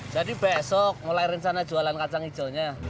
jadi besok mulai rencana jualan kacang hijaunya